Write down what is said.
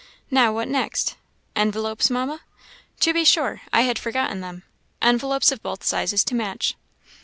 Now, what next?" "Envelopes, Mamma?" "To be sure; I had forgotten them. Envelopes of both sizes to match."